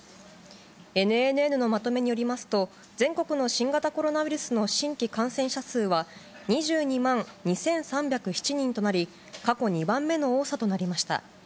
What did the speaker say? ＮＮＮのまとめによりますと、全国の新型コロナウイルスの新規感染者数は２２万２３０７人となり、過去２番目の多さとなりました。